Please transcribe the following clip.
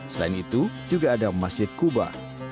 selain itu juga ada masjid kuba